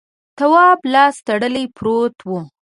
تواب لاس تړلی پروت و.